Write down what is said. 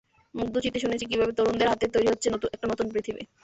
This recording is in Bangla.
মুগ্ধ চিত্তে শুনেছি, কীভাবে তরুণদের হাতে তৈরি হচ্ছে একটা নতুন পৃথিবী।